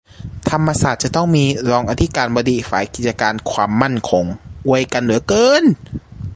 ธรรมศาสตร์จะต้องมี "รองอธิการบดีฝ่ายกิจการความมั่นคง" อวยกันเหลือเกิ๊น